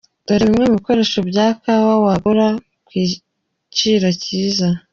Dore bimwe mu bikoresho bya Konka wagura ku iciro cyiza.